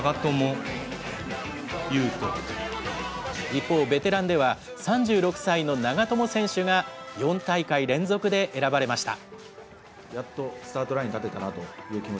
一方、ベテランでは、３６歳の長友選手が４大会連続で選ばれました。